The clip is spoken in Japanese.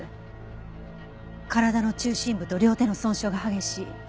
体の中心部と両手の損傷が激しい。